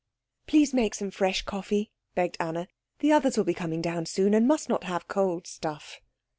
"Please make some fresh coffee," begged Anna; "the others will be coming down soon, and must not have cold stuff."